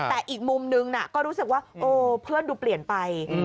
แต่อีกมุมนึงก็รู้สึกว่าโอ้เพื่อนดูเปลี่ยนไป